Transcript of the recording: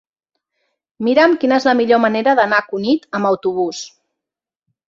Mira'm quina és la millor manera d'anar a Cunit amb autobús.